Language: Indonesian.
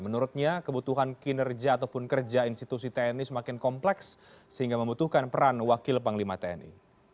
menurutnya kebutuhan kinerja ataupun kerja institusi tni semakin kompleks sehingga membutuhkan peran wakil panglima tni